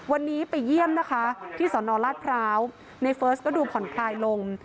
วันนี้ไปเยี่ยมนะคะที่สนราชพร้าวในเฟิร์สก็ดูผ่อนคลายลง